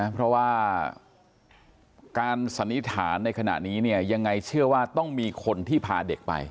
เพราะว่าการสันนิษฐานในขณะนี้เนี่ยยังไงเชื่อว่าต้องมีคนที่พาเด็กไป